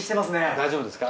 大丈夫ですか？